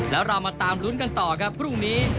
แล้วเรามาตามรุ้นกันต่อครับพรุ่งนี้